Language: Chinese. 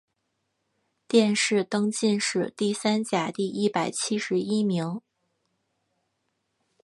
殿试登进士第三甲第一百七十一名。